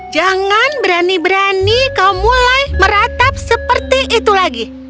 jangan berani berani kau mulai meratap seperti itu lagi